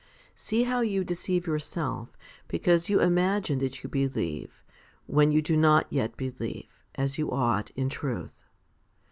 See how you deceive yourself, because you imagine that you believe, when you do not yet believe, as you ought, in truth.